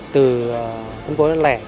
từ phân phối đến lẻ